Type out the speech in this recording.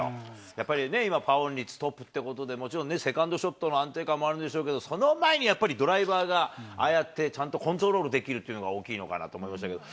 やっぱりね、今、パーオン率トップってことで、もちろんね、セカンドショットの安定感もあるんでしょうけれども、その前に、ドライバーがああやってちゃんとコントロールできるっていうのが大きいのかなと思いましたけど。